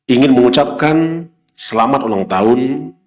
ingin mengucapkan selamat ulang tahun